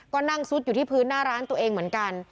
ก็นั่งซุดอยู่ที่พื้นหน้าร้านตัวเองเหมือนกัน